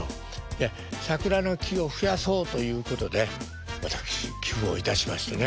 いや桜の木を増やそうということで私寄付をいたしましてね